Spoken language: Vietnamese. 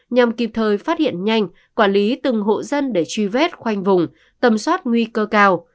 nhằm kịp thời phát hiện nhanh quản lý từng hộ dân để truy vết khoanh vùng tầm soát nguy cơ cao